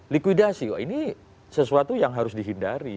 likuidasi kok ini sesuatu yang harus dihindari